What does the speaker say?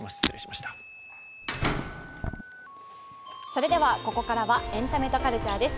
それでは、ここからはエンタメとカルチャーです。